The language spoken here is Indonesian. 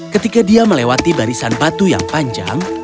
ketika dia melewati barisan batu yang panjang